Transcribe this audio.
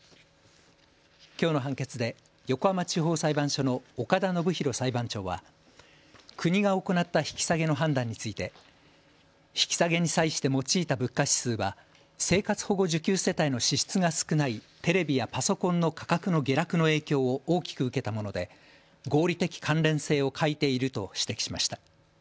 きょうの判決で横浜地方裁判所の岡田伸太裁判長は国が行った引き下げの判断について引き下げに際して用いた物価指数は生活保護受給世帯の支出が少ないテレビやパソコンの価格の下落の影響を大きく受けたもので合理的関連性を欠いていると指摘しました。